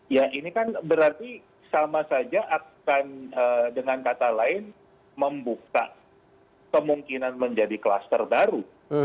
ya ini kan berarti sama saja akan dengan kata lain membuka kemungkinan menjadi kluster baru